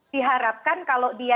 diharapkan kalau dia